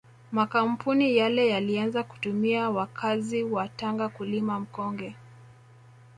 Makampuni yale yalianza kutumia wakazi wa Tanga kulima mkonge